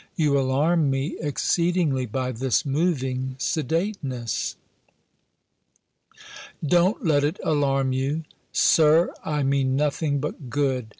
"You alarm me exceedingly, by this moving sedateness." "Don't let it alarm you. Sir! I mean nothing but good!